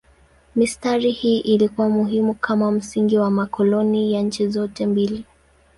Mistari hii ilikuwa muhimu kama msingi wa makoloni ya nchi zote mbili.